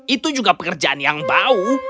itu juga pekerjaan yang bau